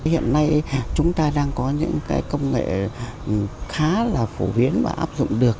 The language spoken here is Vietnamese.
hiện nay chúng ta đang có những công nghệ khá là phổ biến và áp dụng được